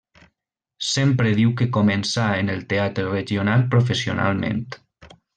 Sempre diu que començà en el teatre regional professionalment.